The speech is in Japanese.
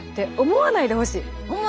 思わないでほしい。